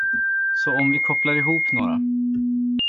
Så om vi kopplar ihop några.